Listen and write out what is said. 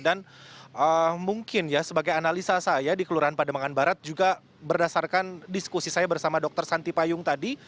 dan mungkin ya sebagai analisa saya di kelurahan pademangan barat juga berdasarkan diskusi saya bersama dokter santi payung tadi